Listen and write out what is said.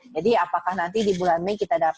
jadi apakah nanti di bulan ming kita dapatkan